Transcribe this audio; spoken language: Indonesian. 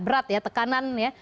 berat ya tekanan ya